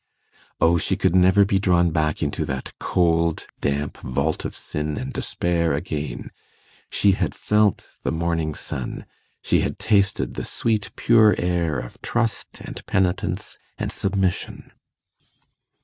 O she could never be drawn back into that cold damp vault of sin and despair again; she had felt the morning sun, she had tasted the sweet pure air of trust and penitence and submission.